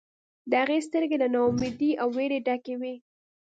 د هغې سترګې له نا امیدۍ او ویرې ډکې وې